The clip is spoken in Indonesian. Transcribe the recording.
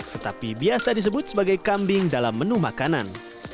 tetapi biasa disebut sebagai kambing dalam menu makanan